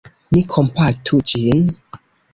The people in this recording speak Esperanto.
Ni kompatu ĝin.